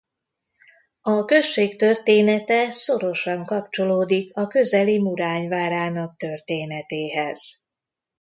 A község története szorosan kapcsolódik a közeli Murány várának történetéhez.